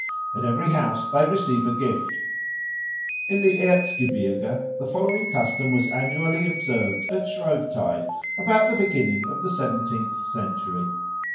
At every house they receive a gift. In the Erzgebirge the following custom was annually observed at Shrovetide about the beginning of the seventeenth century.